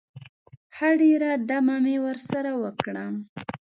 ښه ډېره دمه مې ورسره وکړه.